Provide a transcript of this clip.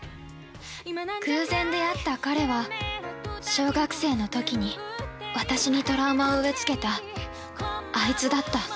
◆偶然出会った彼は、小学生のときに私にトラウマを植えつけたあいつだった。